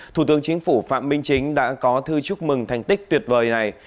thủ tướng chính phủ phạm minh chính đã có thư chúc mừng thành tích tuyệt vời này